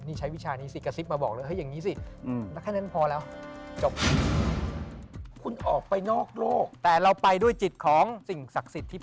นี่ใช้วิชานี้สิกระซิบมาบอกเลยเฮ้ยอย่างนี้สิ